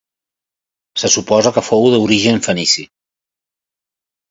Se suposa que fou d'origen fenici.